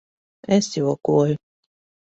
Es jokoju.